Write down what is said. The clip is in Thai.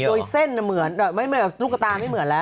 โดยเส้นน่ะเหมือนไม่เหมือนกับลูกตาไม่เหมือนแล้ว